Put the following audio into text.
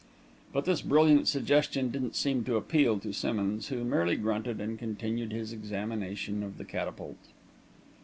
But this brilliant suggestion didn't seem to appeal to Simmonds, who merely grunted and continued his examination of the catapult.